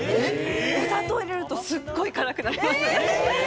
お砂糖入れるとすごい辛くなります。